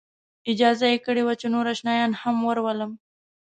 اجازه یې کړې وه چې نور آشنایان هم ورولم.